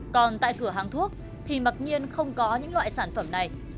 còn tại cửa hàng thuốc thì mặc nhiên không có những loại sản phẩm này